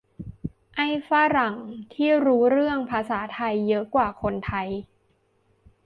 ไอ้ฝรั่งที่รู้เรื่องภาษาไทยเยอะกว่าคนไทย